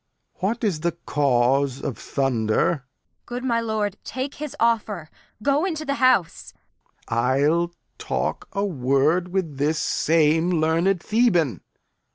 What is the cause of thunder? Kent. Good my lord, take his offer; go into th' house. Lear. I'll talk a word with this same learned Theban.